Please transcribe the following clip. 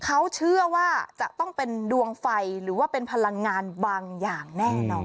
เขาเชื่อว่าจะต้องเป็นดวงไฟหรือว่าเป็นพลังงานบางอย่างแน่นอน